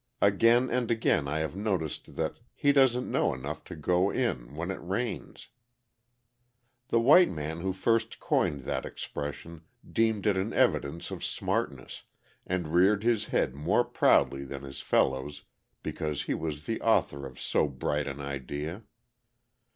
Again and again I have noticed that "he doesn't know enough to go in when it rains." The white man who first coined that expression deemed it an evidence of smartness, and reared his head more proudly than his fellows because he was the author of so bright an idea.